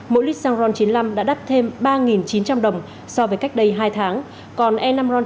mỗi lít xăng ron chín mươi năm đã đắt thêm ba chín trăm linh đồng so với cách đây hai tháng còn e năm ron chín mươi hai thêm gần ba tám trăm linh đồng